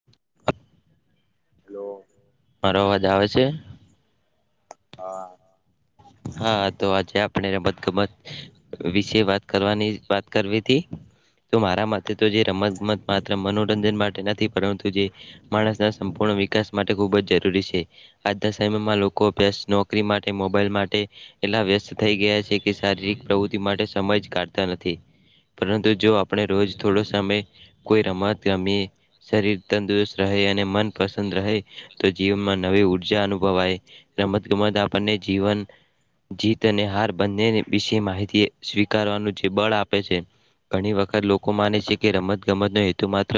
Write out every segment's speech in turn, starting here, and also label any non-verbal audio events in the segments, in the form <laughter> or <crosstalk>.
<unintelligible> <inaudible> Hello મારો અવાજ આવે છે? હા હા તો આજે આપણે રમતગમત વિશે વાત કરવાની વાત કરવી તી તો મારા માટે તો જે રમત ગમત માત્ર મનોરંજન માટે નથી પરંતુ, જે માણસના સંપૂર્ણ વિકાસ માટે ખૂબ જ જરૂરી છે. આજના સમયમાં લોકો અભ્યાસ, નોકરી માટે, મોબાઈલ માટે એટલા વ્યસ્ત થઈ ગયા છે કે શારીરિક પ્રવૃતિ માટે સમયજ કાઢ નથી પરંતુ જો આપણે રોજ થોડો સમય કોઈ રમત રમીએ શરીર તંદુરસ્ત રહે અને મન પસંદ રહે તો જીવનમાં નવી ઉર્જા અનુભવાય. રમત ગમત આપણને જીવન જીત અને હાર બંને વિશે માહિતી સ્વીકારવાનું જે બળ આપે છે. ઘણી વખત લોકો માને છે કે રમત ગમત નો હેતુ માત્ર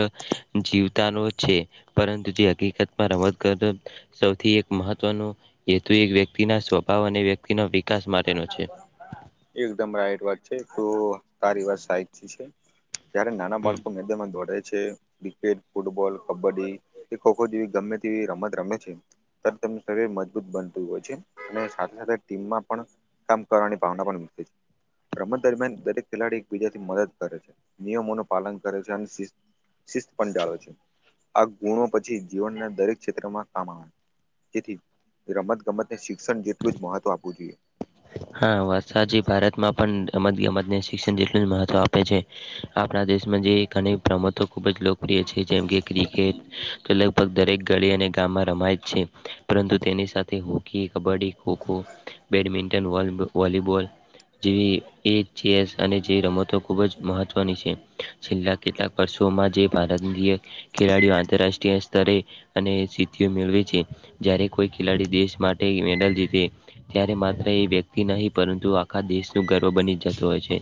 જીવતાનો છે, પરંતુ જે હકીકતમાં રમત કરતો સૌથી એક મહત્વનો હેતુ એક વ્યક્તિના સ્વભાવ અને વ્યક્તિનો વિકાસ માટેનો છે. એકદમ રાઈટ વાત છે તો તારી વાત સાચી છે. જ્યારે નાના હમ. બાળકો મેદાનમાં દોડે છે, ક્રિકેટ, ફૂટબોલ, કબડ્ડી, કે ખો ખો જેવી ગમે તેવી રમત રમે છે. તેમનું શરીર મજબૂત બનતું હોય છે અને સાથે સાથે ટીમમાં પણ કામ કરવાની ભાવના પણ છે. રમત દરમિયાન દરેક ખેલાડી એકબીજા થી મદદ કરે છે નિયમોનું પાલન કરે છે અને શિસ્ત પણ‌ જાળવે છે આ ગુણો પછી જીવનના દરેક ક્ષેત્રમાં કામ આવે. જેથી રમતગમતને શિક્ષણ જેટલું જ મહત્ત્વ આપવું જોઈએ. હા વરસાદી ભારતમાં પણ રમત ગમત ને શિક્ષણ જેટલું જ મહત્વ આપ છે આપણા દેશમાં જે ઘણી રમતો ખૂબ જ લોકપ્રિય છે જેમકે ક્રિકેટ લગભગ દરેક ગળી અને ગામમાં રમાય જ છે પરંતુ તેની સાથે hockey, kabaddi. Kho kho, badminton, <unintelligible> volleyball. જેવી એ ચેસ અને જેવી રમતો ખૂબ જ મહત્વની છે. છેલ્લા કેટલાક વર્ષોમાં જે ભારતીય ખેલાડીઓ આંતરરાષ્ટ્રીય સ્તરે. અને સિદ્ધિ મેળવે છે જ્યારે કોઈ ખેલાડી દેશ માટે મેડલ જીતે. ત્યારે માત્ર એ વ્યક્તિ નહી પરંતુ આખા દેશનું ગર્વ બની જતું હોય છે.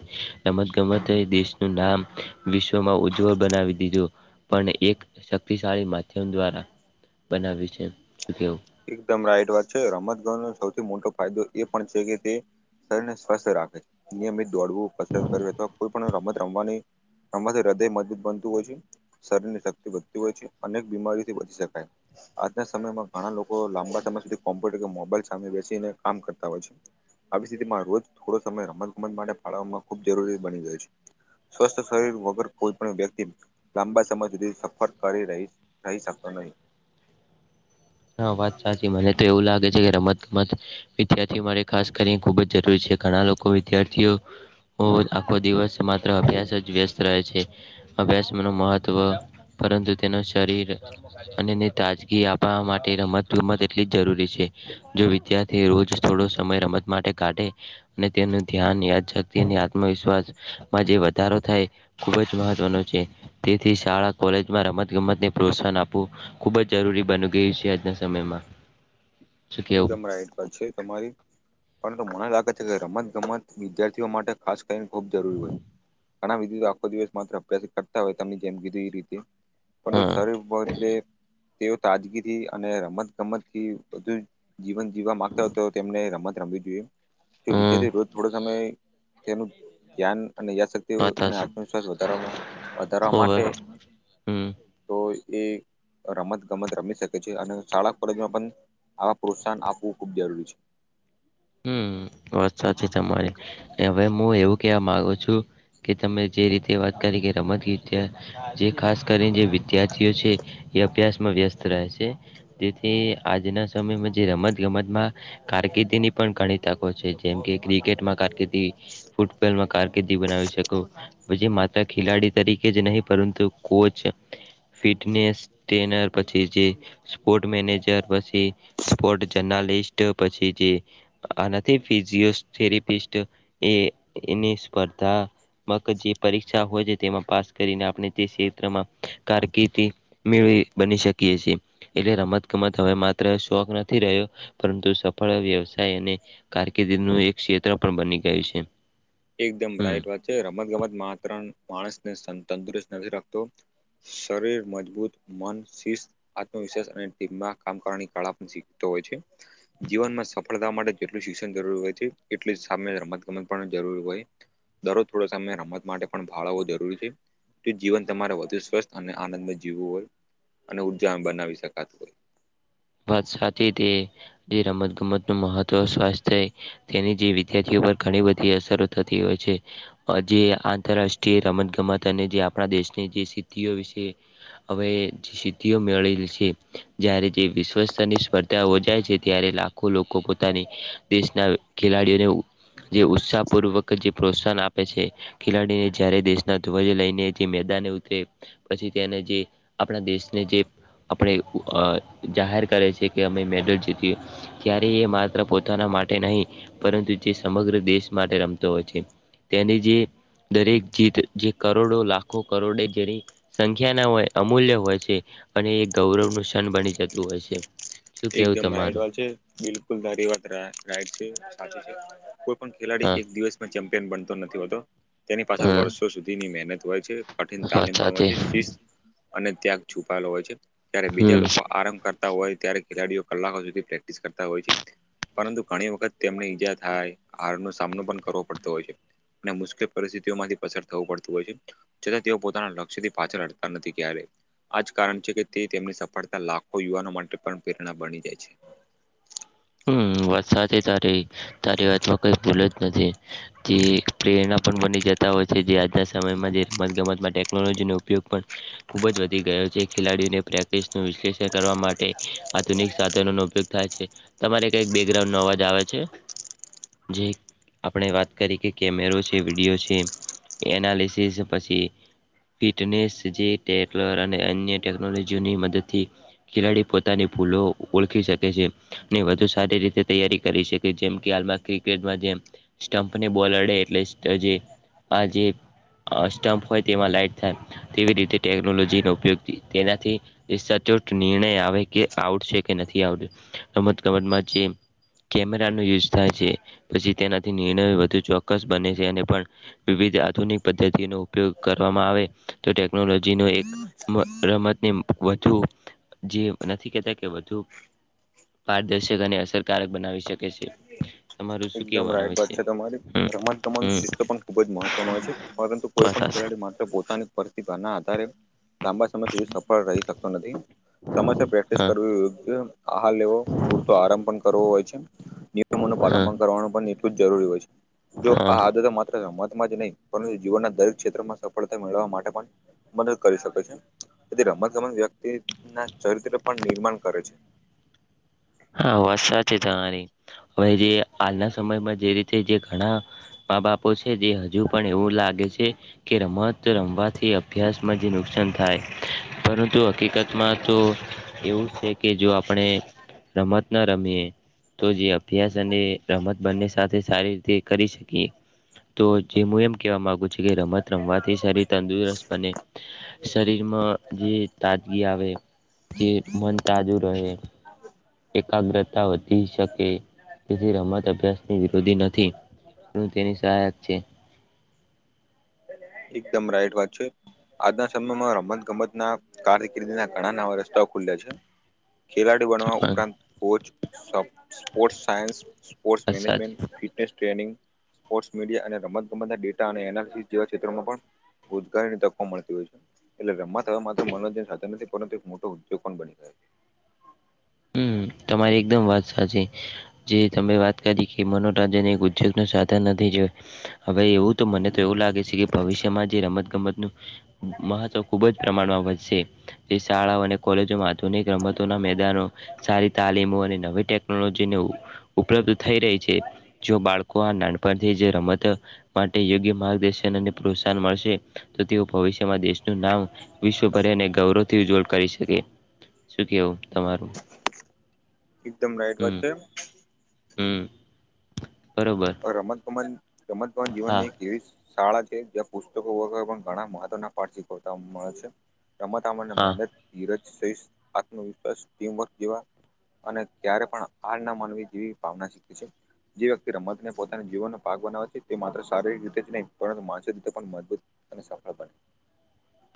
રમત ગમત દેશનું નામ વિશ્વમાં ઉજ્જવળ બનાવી દીધું. પણ એક શક્તિશાળી માધ્યમ દ્વારા બનાવીયું છે શું કેવું. એકદમ રાઈટ વાત છે રમતગમત ન સૌથી મોટો ફાયદો એ પણ છે કે તે શરીરને સ્વસ્થ રાખે નિયમિત દોડવું પસંદ કર અથવા કોઈ પણ રમત રમવાની. હ તો હૃદય મજબૂત બનતું હોય છે. શરીર ની શક્તિ વધતી હોય છે અનેક બીમારીથી વધચી શકાય. આના સમયમાં ઘણા લોકો લાંબા સમય સુધી કોમ્પ્યુટર કે મોબાઈલ સામે બેસીને કામ કરતા હોય છે. આવી સ્થિતિમાં રોજ થોડો સમય રમત ગમત માટે ફાળવવામાં ખૂબ જરૂરી બની ગયો છે. સ્વસ્થ શરીર વગર કોઈ પણ વ્યક્તિ. લાંબા સમય સુધી સફર કરી રહી રહી શકતો નહીં. હા વાત સાચી મને તો એવું લાગે છે કે રમત ગમત વિદ્યાર્થી મારે. ખાસ કરીને ખુબ જ જરૂરી છે ઘણા લોકો વિદ્યાર્થીઓ આખો દિવસ. માત્ર અભ્યાસ જ વ્યસ્ત રહે છે. અભ્યાસ ન મહત્વ પરંતુ તેનો શરીર અનેને તાજગી આપવા માટે. ટે રમત ગમત એટલી જ જરૂરી છે જો વિદ્યાર્થી રોજ. થોડો સમય રમત માટે કાઢે અને તેનું ધ્યાન યાદ શક્તિ અને આત્મવિશ્વાસ. મા જે વધારો થાય ખૂબ જ મહત્વનો છે. તેથી શાળા કોલેજમાં રમત ગમતને પ્રોત્સાહન આપવું ખુબ જ જરૂરી બની ગયું છ. આજના સમયમાં. શું કેવું એકદમ રાઈટ વાત છે તમારી. પરંતુ મને લાગે છે કે રમત ગમત વિદ્યાર્થીઓ માટે ખાસ કરીને ખૂબ જરૂરી હોય. ઘણા વિધું આખો દિવસ માત્ર અભ્યાસ કરતા હોય તમને જેમ કીધું એ રીતે. <inaudible> હા શરીર એટલે તેઓ તાજગીથી અને રમત ગમત થી બધુ. જીવન જીવવા માંગતા હોય તો તેમને રમત રમવી જોઈએ તો હમ વિદ્યાર્થી રોજ થોડો સમય. તેનું ધ્યાન અને યાદશક્તિ. તેઓ વાત અને હાચી આત્મવિશ્વાસ વધાર વધારવા હોવે માટે. હમ તો એ રમત ગમત રમી શકે છે અને શાળા કોલેજમાં પણ. આવા પ્રોત્સાહન આપવું ખૂબ જરૂરી છે. હમ વાત સાચી તમારી હવે હું એવું કેવા માગુ છું. કે તમે જે રીતે વાત કરી કે રમત ગીત જે ખાસ કરીને જે વિદ્યાર્થીઓ છે. એ અભ્યાસ માં વ્યસ્ત રહે છે. તેથી આજના સમયમાં જે રમત ગમત માં કારકિર્દી ની પણ ઘણી. તકો છે જેમ કે ક્રિકેટમાં કારકિર્દી, ફૂટબોલમાં કારકિર્દી બનાવી શકો. પછી માત્ર ખેલાડી તરીકે જ નહીં પરંતુ કોચ. ફિટનેસ ટ્રેનર પછી જે. સ્પોર્ટ મેનેજર પછી સ્પોર્ટ જર્નાલિસ્ટ પછી જે. આ નથી ફિઝિયો થરેપિસ્ટ એ એની સ્પર્ધા. મ જે પરીક્ષા હોય છે તેમાં પાસ કરીને આપણે તે ક્ષેત્રમાં કારકિર્દી. મેળવી બની શકીએ છીએ. એટલે રમત ગમત હવે માત્ર શોખ નથી રહ્યો પરંતુ સફળ વ્યવસ્ વસાય અને કારકિર્દી નું એક ક્ષેત્ર પણ બની ગયું છે. એકદમ હમ રાઈટ વાત છે રમત ગમત માત્ર માણસને સન તંદુરસ્ત નથી રાખતો. શરીર મજબૂત મન શિસ્ત આત્મવિશ્વાસ અને ટીમમાં કામ કરવાની કાળા પણ શીખતો હોય છે. જીવનમાં સફળતા માટે જેટલું શિક્ષણ જરૂરી હોય છે એટલું જ સામે રમત ગમત પણ જરૂરી હોય. દરરોજ થોડો સમય રમત માટે પણ ફાળવવો જરૂરી છે. જીવન તમારે વધુ સ્વસ્થ અને આનંદે જીવવું હોય અને ઉર્જા બનાવી શકાતું હોય. વાત સાચી તે જે રમત ગમત નું મહત્વ સ્વાસ્થય તેની જે વિદ્યાર્થીઓ પર ઘણી બધી અસરો થતી હોય છે. જે આંતરરાષ્ટ્રીય રમત ગમત અને જે આપણા દેશની જે સિદ્ધિઓ વિશે હવે સિદ્ધિઓ મેળલી છે જ્યારે જે વિશ્વ સ્તરની સ્પર્ધા યોજાય છે ત્યારે લાખો લોક પોતાની દેશના ખેલાડીઓને જે ઉત્સાહપૂર્વક જે પ્રોત્સાહન આપ ખેલાડીને જારે દેશના ધ્વજ લઈને થી મેદાને ઉતરે પછી તેને જે આપણા દેશને જે આપણે જાહેર કરે છે કે અમે મેડલ જીતીએ ત્યારે એ માત્ર પોતાના માટે નહીં. પરંતુ જે સમગ્ર દેશ માટે રમતો હોય છે. તેની જે દરેક જીત જે કરોડો લાખો કરોડે જેની સંખ્યા ના હોય, અમૂલ્ય હોય છે અને એ ગૌરવનું ક્ષણ બની જતું હોય છે. શું કેવું એકદમ રાઈટ તમારું વાત છે. બિલકુલ મારી વાત રાઇટ છે. સાચી છે. કોઈ પણ ખેલાડી હા એક દિવસમાં ચેમ્પિયન બનતો નથી હોતો. તેની પાછળ હમ વર્ષો સુધીની મહેનત હોય છે. કઠિન વાત તાલીમ પણ હોય સાથે છે, શિસ્ત અને ત્યાગ છુપાયેલો હોય છે. ત્યારે બીજા હમ લોકો આરામ કરતા હોય ત્યારે ખેલાડીઓ કલાકો સુધી પ્રેક્ટિસ કરતા હોય છે. પરંતુ ઘણી વખત તેમને ઈજા થાય, હાર નો સામનો પણ કરવો પડતો હોય છે. અને મુશ્કેલ પરિસ્થિતિઓમાંથી પસાર થવું પડતું હોય છે. છતાં તેઓ પોતાના લક્ષ્યથી પાછળ હટતા નથી ક્યારે આ જ કારણ છે કે તે તેમની સફળતા લાખો યુવાનો માટે પણ પ્રેરણા બની જાય છે હમ વાત સાચી તારી. તારી વાતમાં કંઈ ભૂલ જ નથી. જે એક પ્રેરણા પણ બની જતા હોય છે જે આજના સમયમાં જે રમત ગમતમાં ટેકનોલોજીનો ઉપયોગ પણ ખૂબ જ વધી ગયો છે, ખેલાડીઓને પ્રેક્ટિસ નું વિશ્લેષણ કરવા માટે આધુનિક સાધનોનો ઉપયોગ થાય છે. તમારે કંઈક બેકગ્રાઉન્ડ નો અવાજ આવે છે. જે આપણે વાત કરી કે કેમેરો છે, વિડીયો છે. એનાલિસિસ પછી ફિટનેસ જે ટેકલર અને અન્ય ટેકનોલોજીઓની મદદથી ખેલાડી પોતાની ભૂલો ઓળખી શકે છે. ને વધુ સારી રીતે તૈયારી કરી શકે. જેમ કે, હાલ ક્રિકેટમાં જેમ સ્ટમ્પને બોલ અડે એટલે સ્ટજે આજે સ્ટમપ હોય તેમાં લાઈટ થાય તેવી રીતે ટેકનોલોજીનો ઉપયોગ તેનાથી એ સચોટ નિર્ણય આવે કે આઉટ છે કે નથી આઉટ. રમત ગમતમાં જે કેમેરાનો યુઝ થાય છે. પછી તેનાથી નિર્ણય વધુ ચોક્કસ બને છે, અને પણ વિવિધ આધુનિક પદ્ધતિ નો ઉપયોગ કરવામાં આવે તો ટેકનોલોજી નો એક રમતને વધુ જે નથી કેતા કે વધુ પારદર્શક અને અસરકારક બનાવી શકે છે. તમારું શું એકદમ કેવાનું આવે રાઈટ વાત છે તમારી હમ રમત ગમતનું હમ શિસ્ત પણ ખૂબ જ મહત્વનું હોય છે. પરંતુ, કોઈ પણ બસ ખેલાડી માત્ર પોતાની પ્રતિભાના આધારે લાંબા સમય સુધી સફળ રહી શકતો નથી. સમયસર પ્રેક્ટિસ હા કરવી યોગ્ય આહાર લેવો, પૂરતો આરામ પણ કરવો હોય છે નિયમોનું પાલન હા પણ કરવાનું પણ એટલું જ જરૂરી હોય છે. જો આ હા આદતો મા રમતમાં જ નહી. પરંતુ, જીવનના દરેક ક્ષેત્રમાં સફળતા મેળવવા માટે પણ મદદ કરી શકે છે. તેથી રમતગમત વ્યક્તિ ના ચરિત્ર પણ નિર્માણ કરે છે હા વાત સાચી તમારી. હવે જે હાલના સમયમાં જે રીતે જે ઘણા મા બાપો છે. જે હજુ પણ એવું લાગે છે, કે રમત રમવાથી અભ્યાસમાં જે નુકસાન થાય. પરંતુ હકીકતમાં તો એવું છે કે જો આપણે રમત ન રમીએ તો જે અભ્યાસ અને રમત બંને સાથે સારી રીતે કરી શકીએ તો જે હું એમ કહેવા માગુ છું રમત રમવાથી શરીર તંદુરસ્ત બને. શરીરમાં જે તાજગી આવે તે મન તાજુ રહે. એકાગ્રતા વધી શકે તેથી રમત અભ્યાસની વિરોધી નથી. તો તેની સહાયક છે. એકદમ રાઈટ વાત છે. આજના સમયમાં રમત ગમત ના કાર દકરીના ઘણા નવા રસ્તાઓ ખુલ્યા છે. ખેલાડી બનવા ઉપરાંત વાત કોચ સ્પોર્ટ્સ સાયન્સ સ્પોર્ટ્સ સાચી management fee ટેસ્ટિ tanning post media અને રમત ગમત ડેટા અને એનાલિ જેવા ક્ષેત્રોમાં પણ રોજગારીની તકો મળતી હોય છે. એટલે રમવા થવા માત્ર મનોરંજન સાચા નથી પરંતુ એક મોટો ઉદ્યોગ પણ બની ગયો છે. હમ તમારી એકદમ વાત સાચી. જે તમે વાત કરી કે મનોરંજન એ ઉદ્યોગ ન સાધન નથી જો હવે એવું તો મને તો એવું લાગે છે કે ભવિષ્યમાં જે રમતગમતનું મહત્વ ખૂબ જ પ્રમાણમાં વધશે. શાળાઓ અને કોલેજોમાં આધુનિક રમતોના મેદાનો સારી તાલીમો અને નવી ટેક ટેકનોલોજીને ઉપલબ્ધ થઈ રહી છે જો બાળકો આ નાનપણથી રમત માટે યોગ્ય માર્ગદર્શન અને પ્રોત્સાહન મળશે તો તેઓ ભવિષ્યમાં દેશનું નામ વિશ્વ ભરેને ગૌરવથી ઉજ્જવળ કરી શકે શું કેવું? તમારું એકદમ રાઈટ વાત હમ છે. હમ બરોબર. રમતગમન રમત કમન હા જીવનની એક એવી શાળા છે જ્યાં પુસ્તકો વગરે પણ ઘણા મહત્વ પાઠ શીખતા મળે છે. રમતમણ હા મહેનત ધીરજ આત્મવિશ્વાસ ટીમવર્ જેવા અને ક્યારે પણ હ ના માનવી જેવી ભાવના શીખી છે જે વ્યક્તિ રમત પોતાના જીવનનો પાક બનાવવા છે તે માત્ર શારીરિક રીતે જ નહીં પરંતુ માનસિક રીતે પણ મજબૂત અને સફળ બને.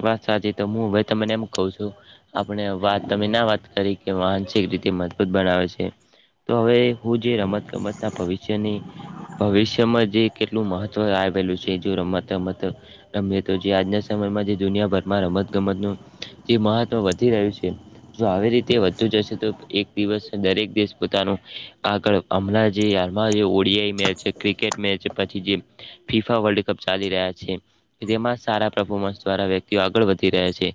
વાત સાચી તો હું હવે તમને એમ કઉ છું. આપણે વાત તમે ના વાત કરી કે માનસિક રીતે મજબૂત બનાવે છે. તો હવે હું જે રમત ગમતના ભવિષ્યની ભવિષ્યમાં જે કેટલું મહત્વ આવેલું છે જો રમત રમત રમ તો આજના સમયમાં જે દુનિયાભરમાં રમતગમતનું મહત્વ વધી રહ્યું છે જો આવી રીતે તે વધુ જશે તો એક દિવસ દરેક દિવસ પોતાનું આગળ હમણાં જે યારમાં જે ઓડિયા મેચ છે ક્રિકેટ મેચ પછી જે ફીફા વર્લ્ડ કપ ચાલી રહ્યા છે તેમાં સારા પરફોર્મન્સ દ્વારા વ્યક્તિઓ આગળ વધી રહ્યા છે.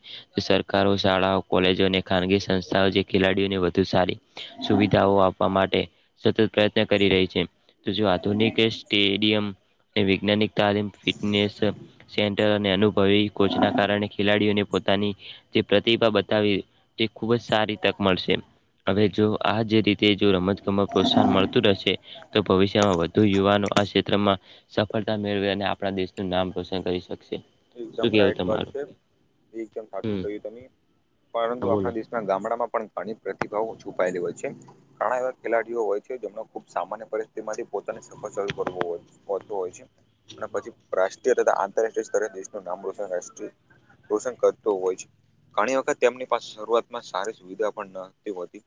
સરકારો શાળાઓ કોલેજો અને ખાનગી સંસ્થાઓ જે ખેલાડીઓને વધુ સારી સુવિધાઓ આપવા માટે સતત પ્રયત્ન કરી રહી છે. આધુનિક સ્ટેડિયમ વૈજ્ઞાનિક તાલીમ ફિટને સેન્ટર અને અનુભવી કોચના કારણે ખેલાડીઓને પોતાની જે પ્રતિભા બતાવી તે ખુબ જ સારી તક મળશે. હવે જો આ જે રીતે જો રમતગમત પ્રોત્સાહન મળતું રહેશે. તો ભવિષ્યમાં વધુ યુવાનો આ ક્ષેત્રમાં સફળતા મેળવી અને આપણા દેશનું નામ રોશન કરી શકશે. શું એકદમ કેવું રાઈટ વાત તમારું છે, એકદમ સાચું હમ કહ્યું તમે પરંતુ હા બોલો આપણા દેશ ગામડામાં પણ ઘણી પ્રતિભાવ છુપાયેલી હોય છે. ઘણા એવા ખેલાડીઓ હોય છે, જેમને ખુબ સામાન્ય પરિસ્થિતિ માંથી પોતાની સફર શરૂ કરવો હોય છે. હોતુ હોય છે, અને પછી રાષ્ટ્રીય તથા આંતરરાષ્ટ્રીય સ્તરે દેશનું નામ રોશન રાષ્ટ્રીય. રોશન કરતું હોય છે. ઘણી વખત તેમની પાસે શરૂઆતમાં સારી સુવિધા પણ ન હતી હોતી.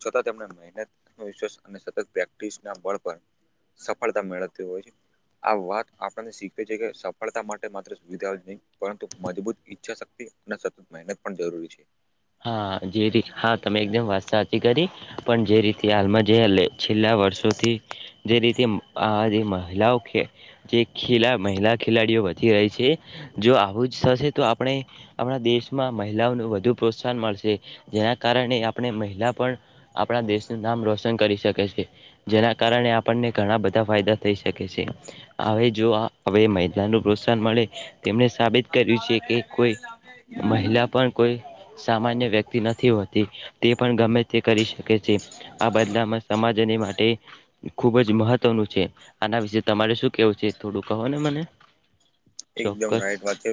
છતાં તેમણે મહેનત આત્મવિશ્વાસ અને સતત પ્રેક્ટિસ ના બળ પર. સફળતા મેળવતી હોય છે, આ વાત આપણને શીખવી છે, કે સફળતા માટે માત્ર. સુવિધા જ નહીં, પરંતુ મજબૂત ઈચ્છા શક્તિ અને સતત મહેનત પણ જરૂરી છે. હા જે રીત હા તમે એકદમ વાત સાચી કરી પણ જે રીત. હાલમાં જે છેલ્લા વર્ષોથી જે રીતે આ જે મહિલાઓ. જે ખેલા મહિલા ખેલાડીઓ વધી રહી છે. જો આવું જ થશે તો આપણે આપણા દેશમાં મહિલાઓનું વધુ. પ્રોત્સાહન મળશે, જેના કારણે આપણે મહિલા પણ. આપણા દેશનું નામ રોશન કરી શકે છે. જેના કારણે આપણને ઘણા બધા ફાયદા થઈ શકે છે, હવે જો હવે. પ્રોત્સાહન મળે તેમણે સાબિત કર્યું છે, કે કોઈ મહિલા પણ કોઈ. સામાન્ય વ્યક્તિ નથી હોતી તે પણ ગમે તે કરી શકે છે આ બદલામાં. સમાજને માટે. ખુબ જ મહત્વનું છે, આના વિશે તમારે શું કેવું છે થોડું કહો ને મને. એકદમ ચોક્કસ રાઈટ વાત છે.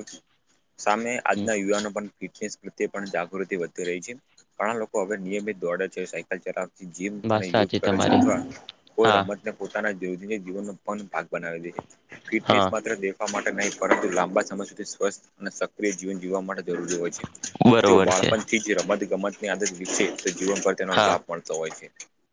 સામે આજના યુવાનો પણ ફિટનેસ પ્રત્યે પણ જાગૃતિ વધી રહી છે. ઘણા લોકો હવે નિયમિત દોડે છે, સાયકલ ચલાવથી જીમ અને વાત યુગ સાચી કરે છે તમારી અથવા કોઈ હા રમત. પોતાના જ રોજના જીવનનો પણ ભાગ બનાવે છે, ફિટનેસ હા માત્ર દેખવા માટે. નહીં પરંતુ લાંબા સમય સુધી સ્વસ્થ અને સક્રિય જીવન જીવવા માટે. જરૂરી હોય છે, જો બરોબર છે બાળપણથી જ રમત ગમત ની આદત વિકસે તો જીવન પર તેનો હા લાભ. ભણતો હોય છે.